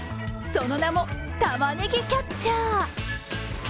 その名も、たまねぎキャッチャー。